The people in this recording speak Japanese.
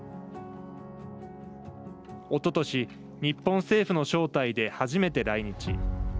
おととし日本政府の招待で初めて来日。